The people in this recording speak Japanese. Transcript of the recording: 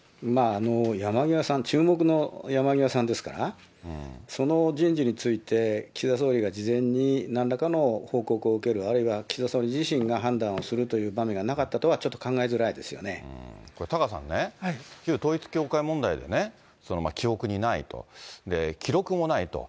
山際さん、注目の山際さんですから、その人事について岸田総理が事前になんらかの報告を受ける、あるいは岸田総理自身が判断をするという場面がなかったとはちょタカさんね、旧統一教会問題でね、記憶にないと、記録もないと。